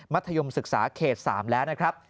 ธยมศึกษาเขต๓แล้วนะครับ